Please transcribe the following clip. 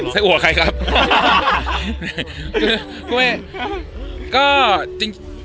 เซอุ่ะใครครับ